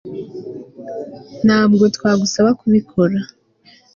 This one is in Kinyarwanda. ntabwo twagusaba kubikora